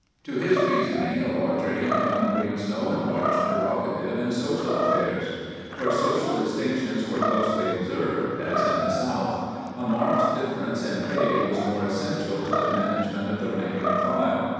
To his reasoning a larger income brings no enlarged prerogative in social affairs. Where social distinctions were closely observed, as in the South, a marked differ ence in pay was more essential to the manage ment of the rank and file.